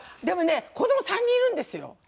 でもね子ども３人いるんですよ。